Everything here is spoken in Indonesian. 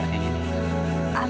aku sudah kena berpengalaman